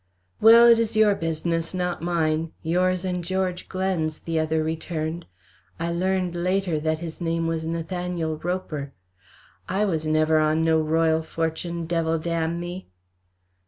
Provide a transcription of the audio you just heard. "Well, it is your business, not mine. Yours and George Glen's," the other returned. I learned later that his name was Nathaniel Roper. "I was never on no Royal Fortune, devil damn me."